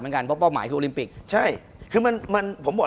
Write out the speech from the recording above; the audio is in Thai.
คุณผู้ชมบางท่าอาจจะไม่เข้าใจที่พิเตียร์สาร